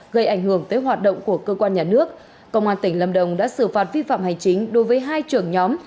gây ảnh hưởng tới hoạt động của cơ quan nhà nước công an tỉnh lâm đồng đã xử phạt vi phạm hành chính đối với hai trưởng nhóm